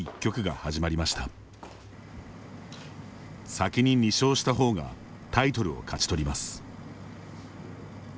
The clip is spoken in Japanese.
先に２勝した方がタイトルを勝ち取ります。